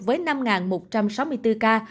với năm một trăm sáu mươi bốn ca